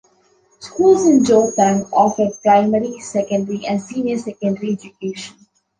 Schools in Jorethang offer primary, secondary and senior secondary education.